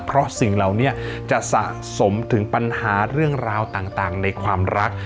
เพราะสิ่งเหล่านี้จะสะสมถึงปัญหาเรื่องราวต่างในความรัก